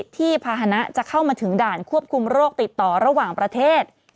ภาษณะจะเข้ามาถึงด่านควบคุมโรคติดต่อระหว่างประเทศ